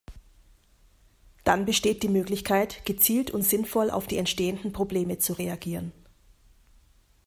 Dann besteht die Möglichkeit, gezielt und sinnvoll auf die entstehenden Probleme zu reagieren.